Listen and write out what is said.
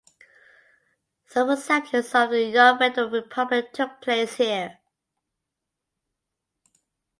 Some receptions of the young Federal Republic took place here.